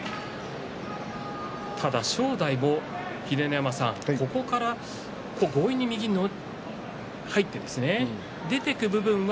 ただ、正代もここから強引に右に入って出ていく部分が